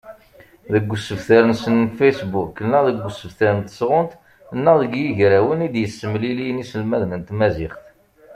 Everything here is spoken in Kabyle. Deg usebter-nsen n facebook neɣ deg usebter n tesɣunt neɣ deg yigrawen i d-yessemliliyen iselmaden n tmaziɣt.